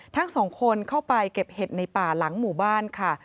ทั้งสองคนเข้าไปเก็บเห็ดในป่าหลังหมู่บ้านค่ะ